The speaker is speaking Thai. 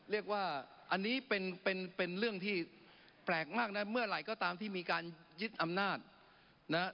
เรียกว่าอันนี้เป็นเป็นเรื่องที่แปลกมากนะเมื่อไหร่ก็ตามที่มีการยึดอำนาจนะฮะ